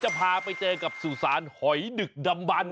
จะพาไปเจอกับสุสานหอยดึกดำบัน